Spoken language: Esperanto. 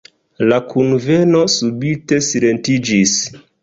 La kunveno subite silentiĝis.